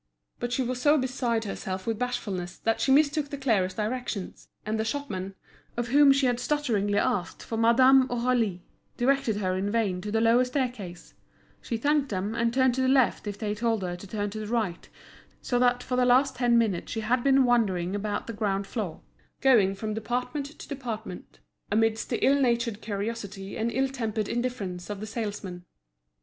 But she was so beside herself with bashfulness that she mistook the clearest directions; and the shopmen, of whom she had stutteringly asked for Madame Aurélie, directed her in vain to the lower staircase; she thanked them, and turned to the left if they told her to turn to the right; so that for the last ten minutes she had been wandering about the ground floor, going from department to department, amidst the ill natured curiosity and ill tempered indifference of the salesmen.